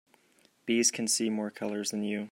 Bees can see more colors than you.